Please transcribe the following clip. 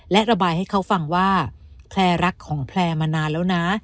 และระบายให้เขาฟังว่าแพลร์รักของแพลร์มานานแล้วนะ